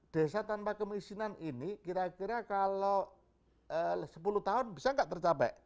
desa tanpa kemiskinan ini kira kira kalau sepuluh tahun bisa nggak tercapai